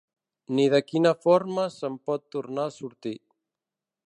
Ni de quina forma se'n pot tornar a sortir.